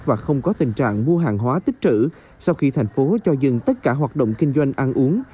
và không có tình trạng mua hàng hóa tích trữ sau khi thành phố cho dừng tất cả hoạt động kinh doanh ăn uống